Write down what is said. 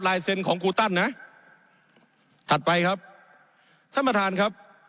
เซ็นต์ของครูตันนะถัดไปครับท่านประธานครับ